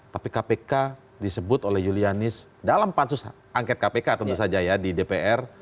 tapi kpk disebut oleh julianis dalam pansus hak angket kpk tentu saja ya di dpr